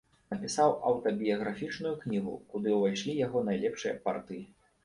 Напісаў аўтабіяграфічную кнігу, куды ўвайшлі яго найлепшыя партыі.